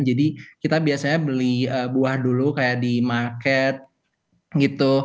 jadi kita biasanya beli buah dulu kayak di market gitu